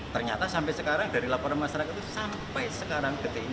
ternyata sampai sekarang dari laporan masyarakat itu sampai sekarang gede ini